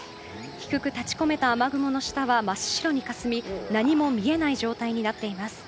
低く立ち込めた雨雲の下は真っ白にかすみ何も見えない状態になっています。